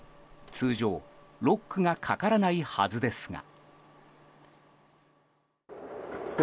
通常、ロックがかからないはずですが。